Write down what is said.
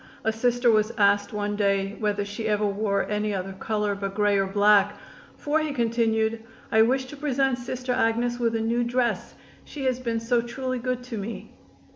A Sister was asked one day whether she ever wore any other color but gray or black, "for," he continued, "I wish to present Sister Agnes with a new dress; she has been so truly good to me."